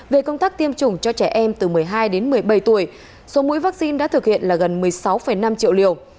về công tác tiêm chủng cho trẻ em từ một mươi hai đến một mươi bảy tuổi số mũi vaccine đã thực hiện là gần một mươi sáu năm triệu liều